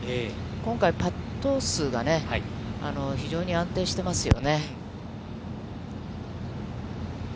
今回、パット数がね、非常に安定していますよね。